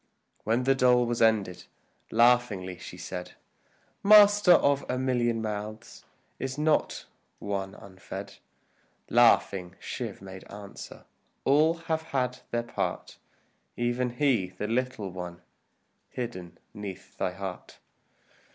When the dole was ended, laughingly she said, "Master, of a million mouths, is not one unfed?" Laughing, Shiv made answer, "All have had their part, Even he, the little one, hidden 'neath thy heart."